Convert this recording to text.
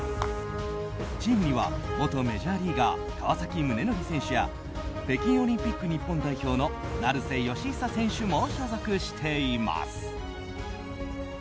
チームには元メジャーリーガー川崎宗則選手や北京オリンピック日本代表の成瀬善久選手も所属しています。